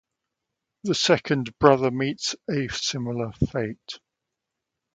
The second brother meets a similar fate.